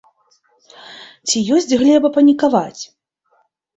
Ці ёсць глеба панікаваць?